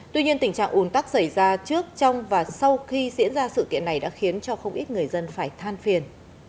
tuy nhiên tình trạng ủn tắc xảy ra trước trong và sau khi diễn ra sự kiện này đã khiến cho không ít người dân phải than phiền